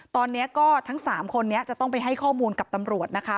ตอนนี้ก็ทั้ง๓คนนี้จะต้องไปให้ข้อมูลกับตำรวจนะคะ